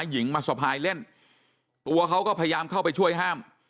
หญิงมาสะพายเล่นตัวเขาก็พยายามเข้าไปช่วยห้าม